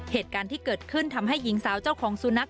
เหตุการณ์ที่เกิดขึ้นทำให้หญิงสาวเจ้าของสุนัข